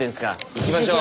いきましょう！